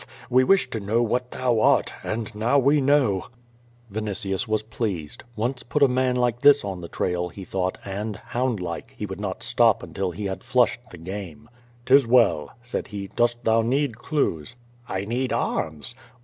we wished to know what thou art, and now we know/^ Vinitius was pleased. Once put a man like this on the trail, he thought, and, houndlike, he would not stop until he had flushed the game. " 'Tis well," said he. 'T)ost thou need clues?" "I need arms."